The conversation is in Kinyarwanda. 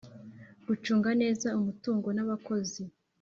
Gucunga neza umutungo n abakozi.